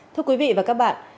thưa quý vị và các bạn